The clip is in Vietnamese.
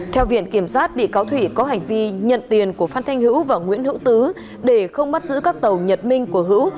theo viện kiểm sát bị cáo thủy có hành vi nhận tiền của phan thanh hữu và nguyễn hữu tứ để không bắt giữ các tàu nhật minh của hữu